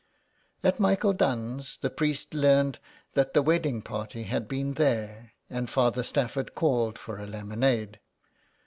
At Michael Dunne's, the priests learned that the wedding party had been there, and Father Stafford called for a lemonade.